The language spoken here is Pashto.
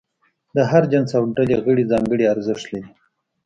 د هر جنس او ډلې غړي ځانګړي ارزښت لري.